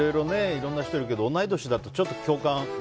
いろんな人いるけど同い年だとちょっと共感。